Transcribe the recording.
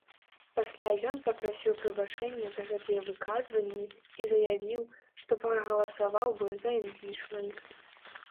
Пасля ён папрасіў прабачэння за гэтыя выказванні і заявіў, што прагаласаваў бы за імпічмент.